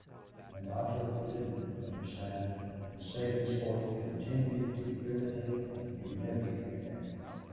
And Otto didn't understand, and Sabinsport continued to irritate and humiliate him.